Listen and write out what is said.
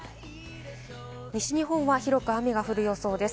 西日本は広く雨が降る予想です。